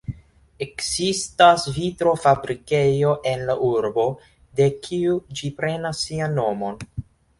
Ekzistas vitro-fabrikejo en la urbo, de kiu ĝi prenas sian nomon.